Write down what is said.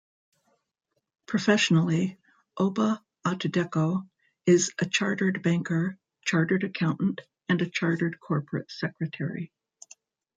Professionally, Oba Otudeko is a Chartered Banker, Chartered Accountant and a Chartered Corporate Secretary.